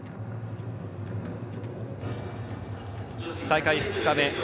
大会２日目。